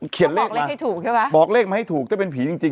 เขียนเลขมาบอกเลขให้ถูกใช่ปะบอกเลขมาให้ถูกถ้าเป็นผีจริงจริงอ่ะ